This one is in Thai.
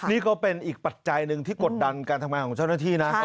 นี่ก็เป็นอีกปัจจัยหนึ่งที่กดดันการทำงานของเจ้าหน้าที่นะ